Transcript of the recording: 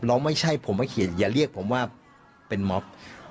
แล้วไม่ใช่ผมมาเขียนอย่าเรียกผมว่าเป็นม็อบ